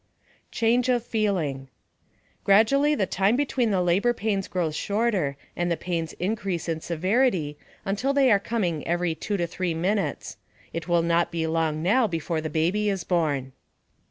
] CHANGE OF FEELING Gradually the time between the labour pains grows shorter and the pains increase in severity until they are coming every 2 to 3 minutes. It will not be long now before the baby is born.